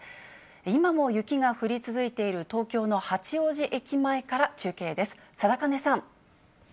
今も雪が降り続いている、東京の八王子駅前から中継です。